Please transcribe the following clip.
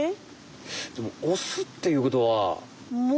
でもオスっていうことは。